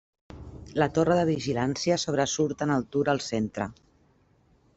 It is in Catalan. La torre de vigilància sobresurt en altura al centre.